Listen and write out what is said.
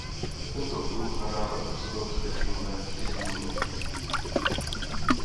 Tento pluk nadále působil především ve Štětíně.